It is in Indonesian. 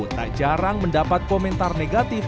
tak jarang mendapat komentar negatif